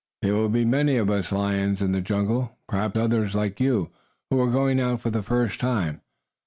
"There will be many of us lions in the jungle; perhaps others, like you, who are going out for the first time.